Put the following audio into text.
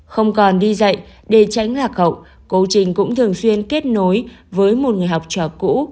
không còn đi dạy để tránh lạc hậu cô trình cũng thường xuyên kết nối với một người học trò cũ